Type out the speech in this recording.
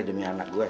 dunia anak gue